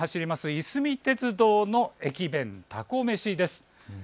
いすみ鉄道の駅弁、たこめしです。